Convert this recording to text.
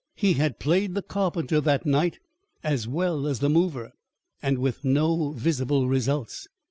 He had played the carpenter that night as well as the mover, and with no visible results.